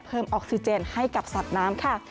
ออกซิเจนให้กับสัตว์น้ำค่ะ